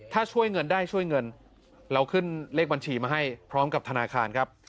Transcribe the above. ถ้าช่วยเงินได้ช่วยเงินเราขึ้นเลขบัญชีมาให้พร้อมกับธนาคารครับ